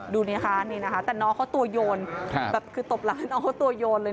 ดูดิคะนี่นะคะแต่น้องเขาตัวโยนแบบคือตบหลานน้องเขาตัวโยนเลย